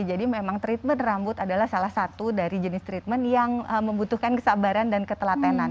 jadi memang treatment rambut adalah salah satu dari jenis treatment yang membutuhkan kesabaran dan ketelatenan